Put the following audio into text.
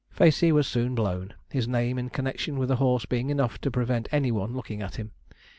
Facey was soon blown, his name in connexion with a horse being enough to prevent any one looking at him.